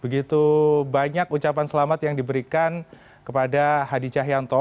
begitu banyak ucapan selamat yang diberikan kepada hadi cahyanto